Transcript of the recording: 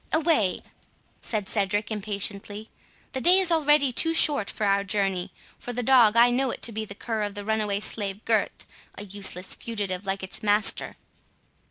"Away!" said Cedric, impatiently; "the day is already too short for our journey. For the dog, I know it to be the cur of the runaway slave Gurth, a useless fugitive like its master."